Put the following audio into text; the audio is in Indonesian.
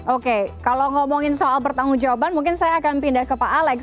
oke kalau ngomongin soal bertanggung jawaban mungkin saya akan pindah ke pak alex